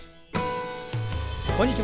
こんにちは。